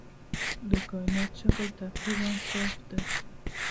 د کائنات شکل تقریباً صاف دی.